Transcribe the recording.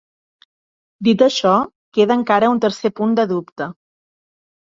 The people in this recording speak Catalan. Dit això, queda encara un tercer punt de dubte.